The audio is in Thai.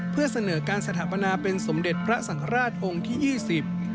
เพื่อเสนอการสถาปนาเป็นสมเด็จพระสังฆราชองค์ที่ยี่สิบ